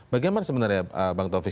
bagaimana sebenarnya bang taufik